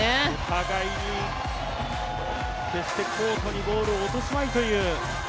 お互いに、決してコートにボールを落とすまいという。